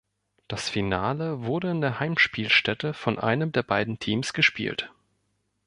Das Finale wurde in der Heimspielstätte von einem der beiden Teams gespielt.